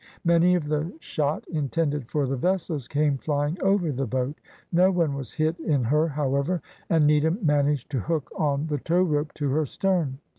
Many of the shot, intended for the vessels, came flying over the boat; no one was hit in her, however, and Needham managed to hook on the towrope to her stern.